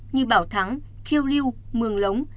như bảo thắng chiêu lưu mường lống